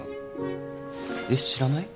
えっ知らない？